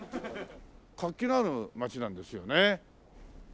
活気のある町なんですよね。